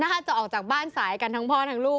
ถ้าจะออกจากบ้านสายกันทั้งพ่อทั้งลูก